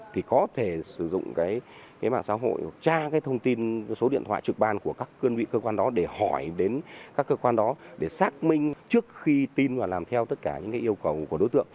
thì có thể sử dụng cái mạng xã hội tra cái thông tin số điện thoại trực ban của các cơ quan đó để hỏi đến các cơ quan đó để xác minh trước khi tin và làm theo tất cả những cái yêu cầu của đối tượng